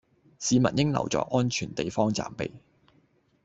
市民應留在安全地方暫避